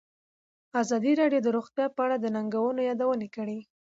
ازادي راډیو د روغتیا په اړه د ننګونو یادونه کړې.